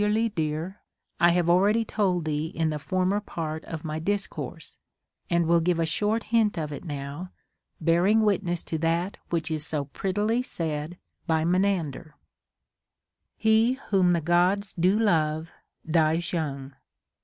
'ό'ΟΓί Harly clear, I have already told thee in the former part of my discourse, and λυΙΙΙ giA^e a short hint of it now, bearing witness to that which is so prettily said by Menander :— He whom the Gods do love dies young.